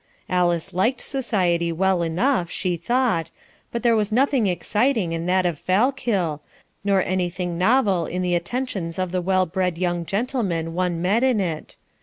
Alice liked society well enough, she thought, but there was nothing exciting in that of Fallkill, nor anything novel in the attentions of the well bred young gentlemen one met in it.